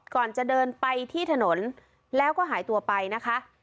ก่อนจะเดินไปที่ถนนแล้วก็หายตัวไปนะคะ